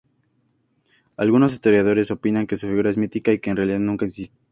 Algunos historiadores opinan que su figura es mítica y que en realidad nunca existió.